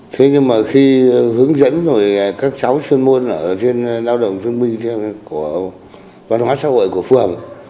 thế nhưng mà khi hướng dẫn rồi các cháu chuyên môn ở trên lao động thương binh của văn hóa xã hội của phường